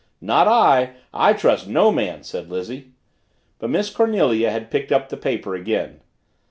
"Not I. I trust no man," said Lizzie. But Miss Cornelia had picked up the paper again.